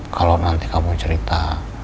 kalau nanti kamu cerita